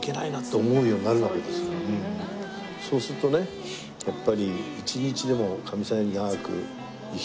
そうするとねやっぱり。